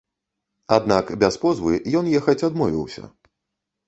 Аднак без позвы ён ехаць адмовіўся.